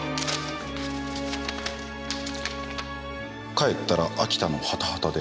「帰ったら秋田のハタハタで」。